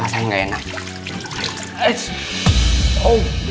rasanya gak enak